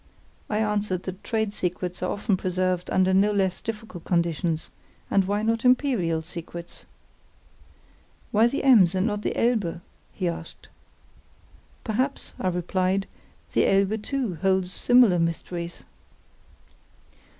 I answered that trade secrets are often preserved under no less difficult conditions, and why not imperial secrets? "Why the Ems and not the Elbe?" he asked. "Perhaps," I replied, "the Elbe, too, holds similar mysteries."